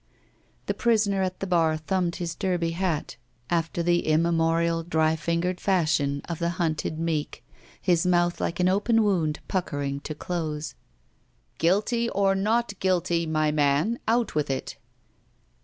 The prisoner at the bar thumbed his derby hat after the immemorial dry fingered fashion of the hunted meek, his mouth like an open wotmd pucker ing to close. i8i GUILTY Guilty or not guilty, my man? Out with it."